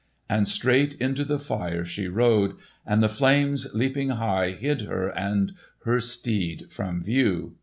And straight into the fire she rode, and the flames leaping high hid her and her steed from view.